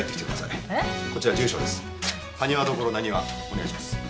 お願いします。